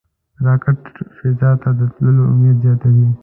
راکټ فضا ته د تللو امید زیاتوي